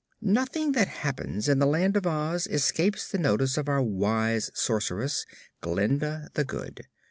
Nothing that happens in the Land of Oz escapes the notice of our wise Sorceress, Glinda the Good.